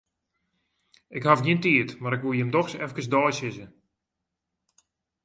Ik haw gjin tiid, mar 'k woe jimme doch efkes deisizze.